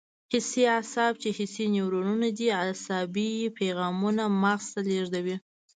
حسي اعصاب چې حسي نیورونونه دي عصبي پیغامونه مغز ته لېږدوي.